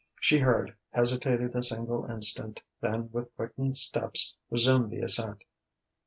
She heard, hesitated a single instant, then with quickened steps resumed the ascent.